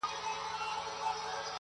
د پنیر ټوټه ترې ولوېده له پاسه!